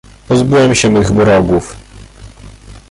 "Pozbyłem się mych wrogów."